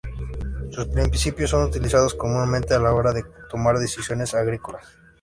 Sus principios son utilizados, comúnmente, a la hora de tomar decisiones agrícolas.